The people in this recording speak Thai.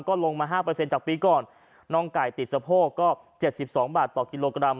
ก็ลงมาห้าเปอร์เซ็นต์จากปีก่อนน้องไก่ติดสะโพก็เจ็ดสิบสองบาทต่อกิโลกรัม